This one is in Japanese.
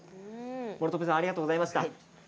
諸冨さんありがとうございました。